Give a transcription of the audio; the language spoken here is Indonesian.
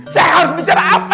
saya harus bicara apa